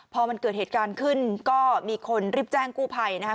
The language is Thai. พอมันเกิดเหตุการณ์ขึ้นก็มีคนรีบแจ้งกู้ภัยนะคะ